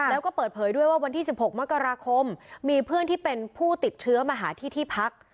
แล้วก็เปิดเผยด้วยว่าวันที่๑๖มกราคมมีเพื่อนที่เป็นผู้ติดเชื้อมาหาที่ที่พัก